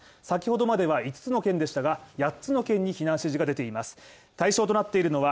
先ほどまでは五つの県でしたが、八つの県に避難指示が出ています